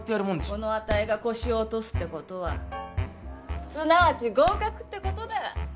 このあたいが腰を落とすってことはすなわち合格ってことだ。